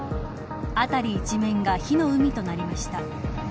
辺り一面が火の海となりました。